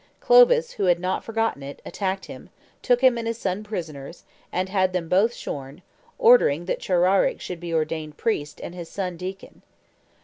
Clovis, who had not forgotten it, attacked him, took him and his son prisoners, and had them both shorn, ordering that Chararic should be ordained priest and his son deacon.